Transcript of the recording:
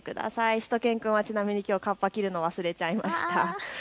しゅと犬くんはちなみにきょうかっぱを着るの忘れちゃいました。